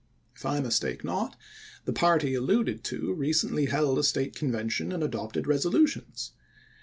If I mistake not, the party alluded to recently held a State Convention, and adopted resolutions.